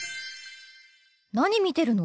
何見てるの？